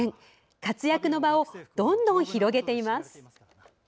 活躍の場をどんどん広げています。